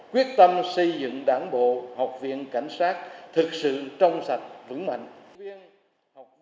quyết tâm xây dựng đảng bộ học viện cảnh sát thực sự trong sạch vững mạnh